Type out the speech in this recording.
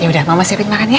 yaudah mama siapin makan ya